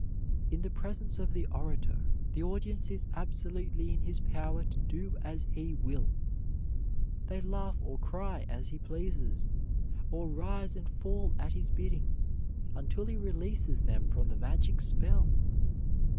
In the presence of the orator, the audience is absolutely in his power to do as he will. They laugh or cry as he pleases, or rise and fall at his bidding, until he releases them from the magic spell.